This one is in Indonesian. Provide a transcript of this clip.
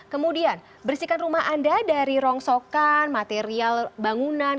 kemudian bersihkan rumah anda dari rongsokan material bangunan